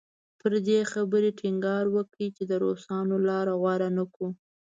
پر دې خبرې ټینګار وکړي چې د روسانو لاره غوره نه کړو.